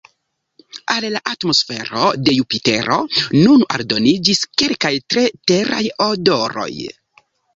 Al la atmosfero de Jupitero nun aldoniĝis kelkaj tre Teraj odoroj.